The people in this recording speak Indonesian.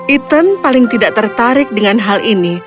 ethan paling tidak tertarik dengan hal ini